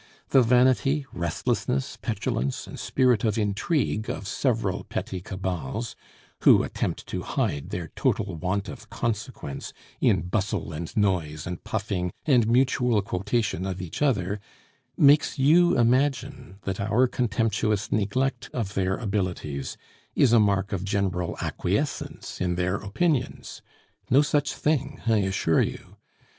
The vanity, restlessness, petulance, and spirit of intrigue of several petty cabals, who attempt to hide their total want of consequence in bustle, and noise, and puffing, and mutual quotation of each other, makes you imagine that our contemptuous neglect of their abilities is a mark of general acquiescence in their opinions. No such thing, I assure you.